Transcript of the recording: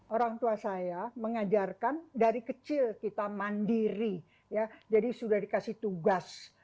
orang tua saya mengajarkan dari kecil kita mandiri ya jadi sudah dikasih tugas